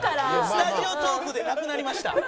スタジオトークでなくなりました。